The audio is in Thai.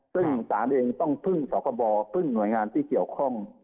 ซึ่งศาลเองต้องพึ่งสคบพึ่งหน่วยงานที่เกี่ยวข้อง